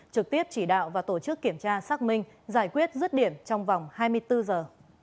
trực tiếp chỉ đạo và tổ chức kiểm tra xác minh giải quyết rứt điểm trong vòng hai mươi bốn giờ